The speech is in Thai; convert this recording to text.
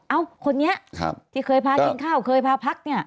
เอ้าคนนี้ที่เกยภาพยิงข้าวเกยภาพักนิ่ง